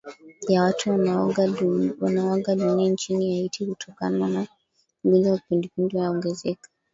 ya watu wanaoaga dunia nchini haiti kutokana na ugojwa wa kipindupindu yaongezeka